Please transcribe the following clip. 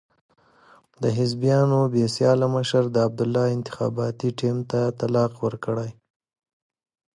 د حزبیانو بې سیاله مشر د عبدالله انتخاباتي ټیم ته طلاق ورکړی.